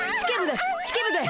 式部です。